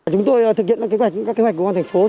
chúng tôi thực hiện các kế hoạch của công an thạch phố